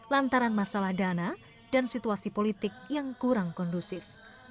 lantaran masalah dana dan situasi politik yang kurang kondusif